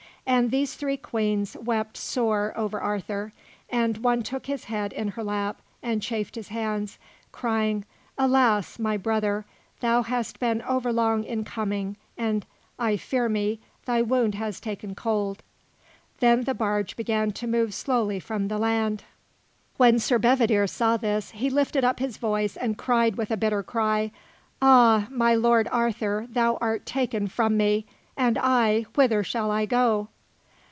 And these three Queens wept sore over Arthur, and one took his head in her lap and chafed his hands, crying: "Alas! my brother, thou hast been overlong in coming and, I fear me, thy wound has taken cold." Then the barge began to move slowly from the land. When Sir Bedivere saw this, he lifted up his voice and cried with a bitter cry: "Ah! my Lord Arthur, thou art taken from me! And I, whither shall I go?"